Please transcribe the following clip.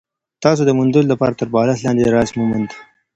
تاسي د موندلو دپاره تر بالښت لاندي راز وموند؟